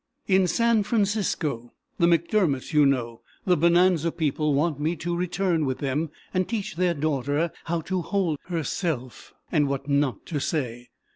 "In San Francisco! The MacDermotts, you know, the Bonanza people, want me to return with them and teach their daughter how to hold herself, and what not to say.